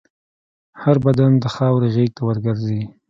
هر بدن د خاورې غېږ ته ورګرځي.